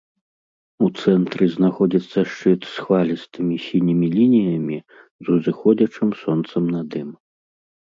У цэнтры знаходзіцца шчыт з хвалістымі сінімі лініямі, з узыходзячым сонцам над ім.